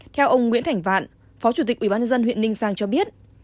theo ông nguyễn thành vạn phó chủ tịch ubnd huyện ninh giang cho biết